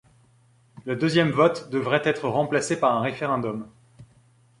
Le deuxième vote devrait être remplacé par un référendum.